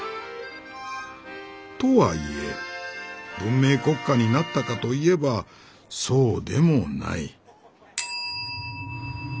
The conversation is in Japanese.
とはいえ文明国家になったかといえばそうでもない」。